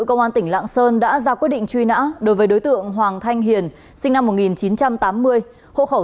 công an tỉnh lạng sơn đã ra quyết định truy nã đối với đối tượng hoàng thanh hiền sinh năm một nghìn chín trăm tám mươi hộ khẩu